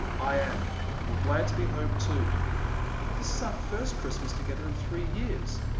"I am. And glad to be home too." "This is our first Christmas together in three years."